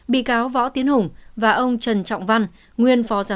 bị cáo võ tiến hùng và ông trần trọng văn